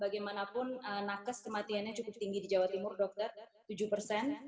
bagaimanapun nakes kematiannya cukup tinggi di jawa timur dokter